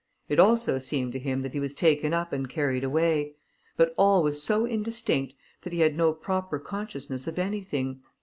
It also seemed to him that he was taken up and carried away; but all was so indistinct that he had no proper consciousness of anything.